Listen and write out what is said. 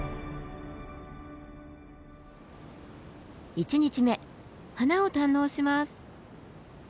１日目花を堪能します。